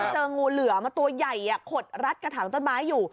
เจองูเหลือมาตัวใหญ่ขดรัดกระถางต้นไม้อยู่